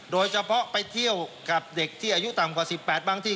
โดยเฉพาะไปเที่ยวกับเด็กที่อายุต่ำกว่า๑๘บางที่